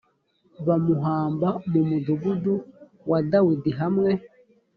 bamuhamba mu mudugudu wa dawidi hamwe